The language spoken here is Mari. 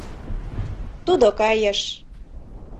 Тудо кайыш.